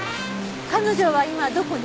彼女は今どこに？